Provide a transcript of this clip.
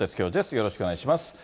よろしくお願いします。